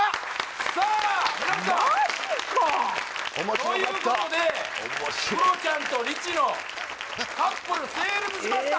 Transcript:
さあ皆さんマジかということでクロちゃんとリチのカップル成立しました